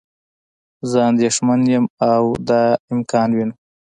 زه اندیښمند یم او دا امکان وینم.